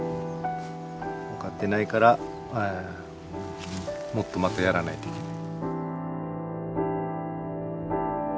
分かってないからもっとまたやらないといけない。